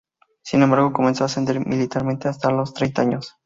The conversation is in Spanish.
Sin embargo, comenzó a ascender militarmente hasta los treinta años.